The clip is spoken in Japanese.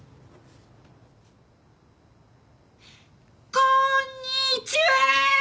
こんにちは！